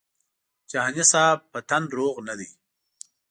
جهاني صاحب په تن روغ نه دی.